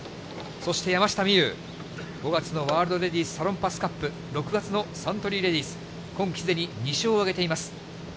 そして山下美夢有、５月のワールドレディスサロンパスカップ、６月のサントリーレディス、今季すでに２勝を挙げています。